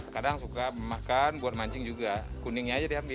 kadang suka makan buat mancing juga kuningnya aja diambil